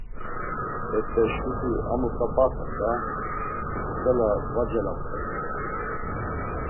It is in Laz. Bet̆e şǩuti a mutxa p̌aten da! Ntsela va celapxedurtu!